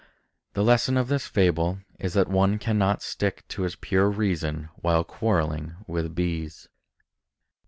The lesson of this fable is that one cannot stick to his pure reason while quarreling with bees.